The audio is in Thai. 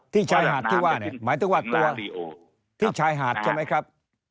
ชายหาดที่ว่าเนี่ยหมายถึงว่าตัวที่ชายหาดใช่ไหมครับ